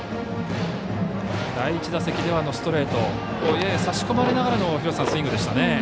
第１打席ではストレートやや差し込まれながらのスイングでしたね。